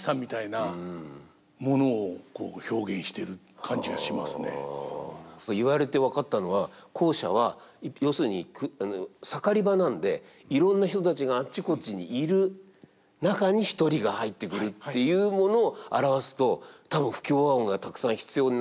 何かそういう逆に２つ目の方は何か本当に言われて分かったのは後者は要するに盛り場なんでいろんな人たちがあっちこっちにいる中に１人が入ってくるっていうものを表すと多分不協和音がたくさん必要になりますよね。